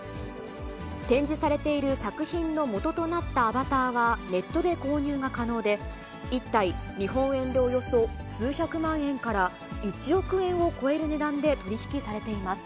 展示されている作品のもととなったアバターはネットで購入が可能で、１体、日本円でおよそ数百万円から１億円を超える値段で取り引きされています。